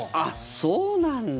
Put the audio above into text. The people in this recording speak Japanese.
そうなんだ。